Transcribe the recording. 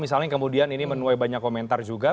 misalnya kemudian ini menuai banyak komentar juga